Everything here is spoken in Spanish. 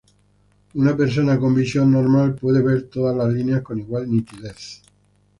Una persona con visión normal puede ver todas las líneas con igual nitidez.